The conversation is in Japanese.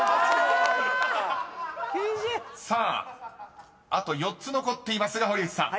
［さああと４つ残っていますが堀内さん］